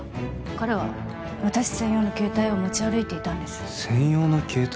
彼は私専用の携帯を持ち歩いていたんです専用の携帯？